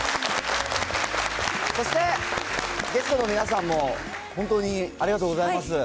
そして、ゲストの皆さんも本当にありがとうございます。